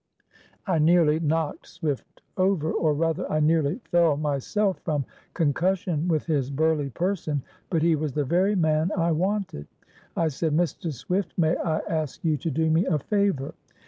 I nearly knocked Swift over, or rather I nearly fell myself, from concussion with his burly person, but he was the very man I wanted. I said, 'Mr. Swift, may I ask you to do me a favor?